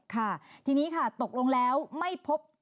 ค่ะทีนี้ค่ะตกลงแล้วไม่พบ